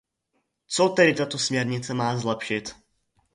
Co tedy tato směrnice má zlepšit?